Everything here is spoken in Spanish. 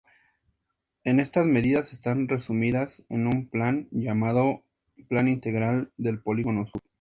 Estas medidas están resumidas en un plan llamado Plan Integral del Polígono Sur.